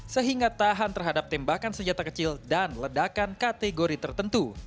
sehingga tahan terhadap tembakan senjata kecil dan ledakan kategori tertentu